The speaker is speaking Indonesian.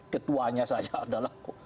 ketuanya saja adalah